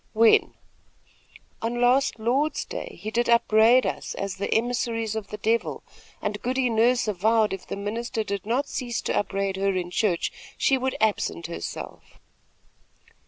"When?" "On last Lord's day he did upbraid us as the emissaries of the Devil, and Goody Nurse avowed if the minister did not cease to upbraid her in church, she would absent herself."